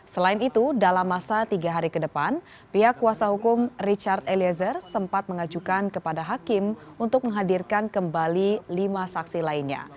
selain itu dalam masa tiga hari ke depan pihak kuasa hukum richard eliezer sempat mengajukan kepada hakim untuk menghadirkan kembali lima saksi lainnya